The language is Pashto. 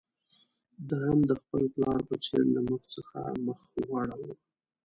ده هم د خپل پلار په څېر له موږ څخه مخ واړاوه.